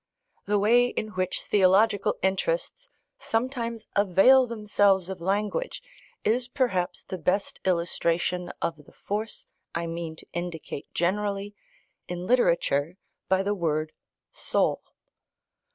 The way in which theological interests sometimes avail themselves of language is perhaps the best illustration of the force I mean to indicate generally in literature, by the word soul.